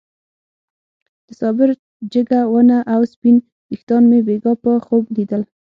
د صابر جګه ونه او سپين ويښتان مې بېګاه په خوب ليدل.